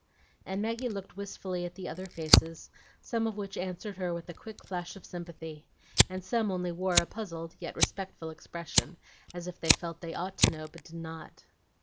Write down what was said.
And Maggie looked wistfully at the other faces, some of which answered her with a quick flash of sympathy, and some only wore a puzzled yet respectful expression, as if they felt they ought to know, but did not.